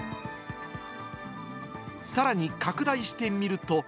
さらに拡大してみると。